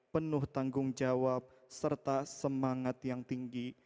penuh tanggung jawab serta semangat yang tinggi